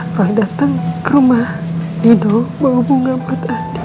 orang datang ke rumah nino bawa bunga buat adin